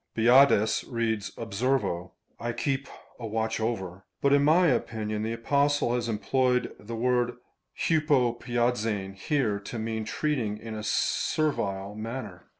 Budaeus reads Observo ; (J keep a watch over ;) but in my opinion the Apostle has employed the word vTratTrcd^eiv^ here, to mean treating in a servile manner.